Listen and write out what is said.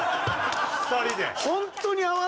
２人で。